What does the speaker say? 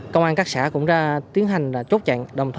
công an các xã cũng ra tiến hành trốt chặn